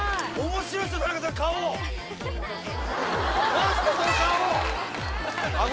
何すかその顔あご